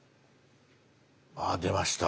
あ出ました。